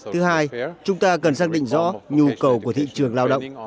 thứ hai chúng ta cần xác định rõ nhu cầu của thị trường lao động